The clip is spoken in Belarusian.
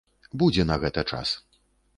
Будзе на гэта час.